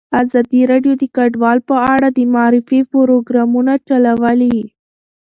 ازادي راډیو د کډوال په اړه د معارفې پروګرامونه چلولي.